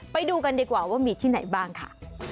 ไปดูกันดีกว่าว่ามีที่ไหนบ้างค่ะ